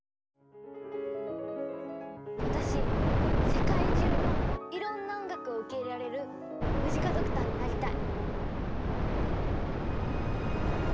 私世界中のいろんな音楽を受け入れられるムジカドクターになりたい。